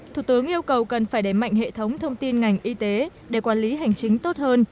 thủ tướng yêu cầu cần phải đẩy mạnh hệ thống thông tin ngành y tế để quản lý hành chính tốt hơn